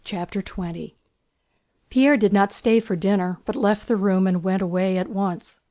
CHAPTER XX Pierre did not stay for dinner, but left the room and went away at once.